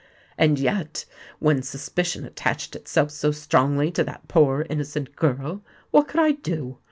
And yet, when suspicion attached itself so strongly to that poor innocent girl, what could I do?